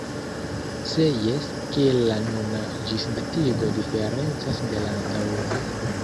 Se jes, kiel la nuna ĝisdatigo diferencas de la antaŭaj?